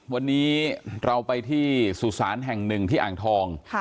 วันนี้เราไปที่สุสานแห่งหนึ่งที่อ่างทอง